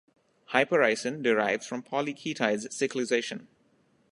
Hypericin derives from polyketides cyclisation.